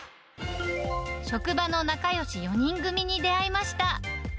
職場の仲よし４人組に出会いました。